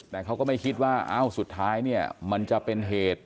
แต่เขาก็ไม่คิดว่าสุดท้ายมันจะเป็นเหตุ